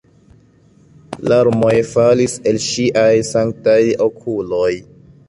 Larmoj falis el ŝiaj sanktaj okuloj.